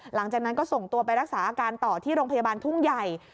หลังจากนั้นก็ส่งตัวไปรักษาอาการต่อที่โรงพยาบาลทุ่งใหญ่